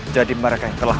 jadi mereka yang telah